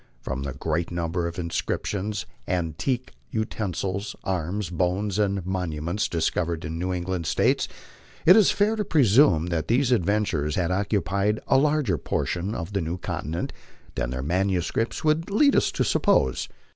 From the great number of inscriptions, antique uten sils, arms, bones, and monuments discovered in the New England States, it is fair to presume that these adventurers had occupied a larger portion of the new continent than their manuscripts would lead us to suppose.